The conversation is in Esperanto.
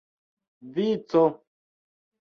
vico